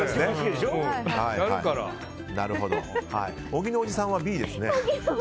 小木のおじさんはＢですね。